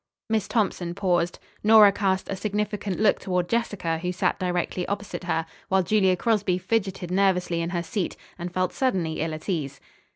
Miss Thompson paused. Nora cast a significant look toward Jessica, who sat directly opposite her, while Julia Crosby fidgeted nervously in her seat, and felt suddenly ill at ease.